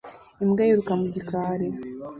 Imbwa yiruka mu gikari